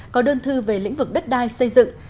có đơn thư về lĩnh vực đất đai xây dựng